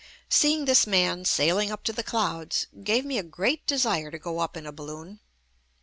Seeing this man sailing up to the clouds gave me a great desire to go up in a balloon.